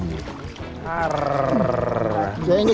ya ini terasa ibu